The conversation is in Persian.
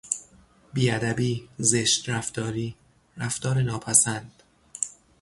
بیادبی، زشت رفتاری، رفتار ناپسند